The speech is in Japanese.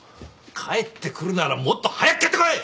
帰ってくるならもっと早く帰ってこい！